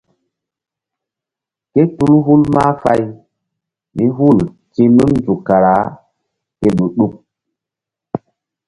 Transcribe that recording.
Ké tul hul mahfay mí hul ti̧h nun nzuk kara ke ɗu-ɗuk.